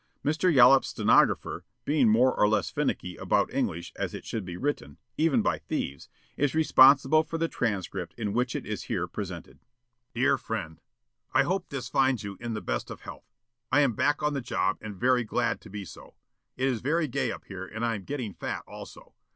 Mr. Yollop's stenographer, being more or less finicky about English as it should be written, even by thieves, is responsible for the transcript in which it is here presented: DEAR FRIEND I hope this finds you in the best of health. I am back on the job and very glad to be so. It is very gay up here and I am getting fat also.